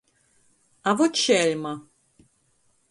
A vot šeļma